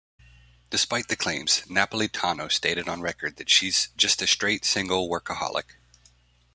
Despite the claims, Napolitano stated on record that she's "just a straight, single workaholic".